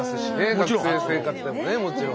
学生生活でもねもちろん。